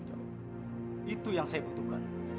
terima kasih pak